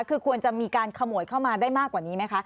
คือควรจะมีการขโมยเข้ามาได้มากกว่านี้ไหมคะ